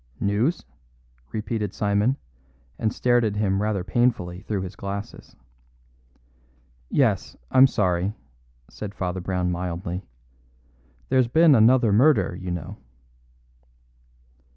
"News?" repeated Simon, and stared at him rather painfully through his glasses. "Yes, I'm sorry," said Father Brown mildly. "There's been another murder, you know."